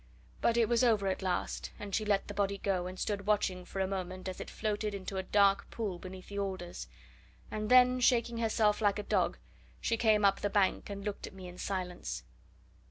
But it was over at last, and she let the body go, and stood watching for a moment as it floated into a dark pool beneath the alders; and then, shaking herself like a dog, she came up the bank and looked at me, in silence.